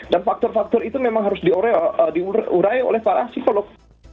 dan faktor faktor itu memang harus diurai oleh para psikolog